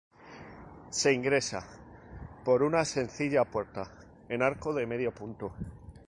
Se ingresa por una sencilla puerta en arco de medio punto.